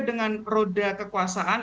dengan roda kekuasaan